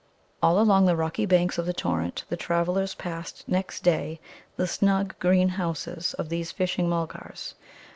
All along the rocky banks of the torrent the travellers passed next day the snug green houses of these Fishing mulgars.